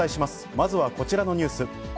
まずはこちらのニュース。